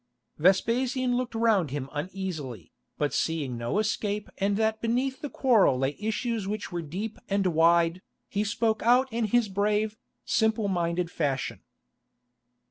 Vespasian looked round him uneasily, but seeing no escape and that beneath the quarrel lay issues which were deep and wide, he spoke out in his brave, simple minded fashion.